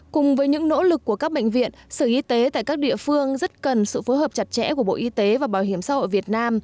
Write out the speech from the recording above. cùng với những nỗ lực của các bệnh viện sở y tế tại các địa phương rất cần sự phối hợp chặt chẽ của bộ y tế và bảo hiểm xã hội việt nam